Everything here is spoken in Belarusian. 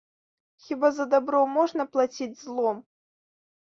Хіба за дабро можна плаціць злом?